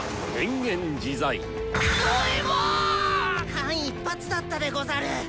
間一髪だったでござる。